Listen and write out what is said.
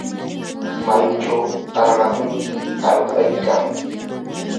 mayuchu armakuqmi aywaykaa.